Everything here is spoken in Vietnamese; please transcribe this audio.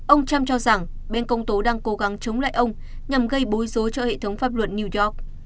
ông trump cho rằng bên công tố đang cố gắng chống lại ông nhằm gây bối rối cho hệ thống pháp luật new york